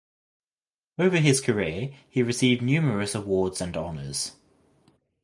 Over his career he received numerous awards and honours.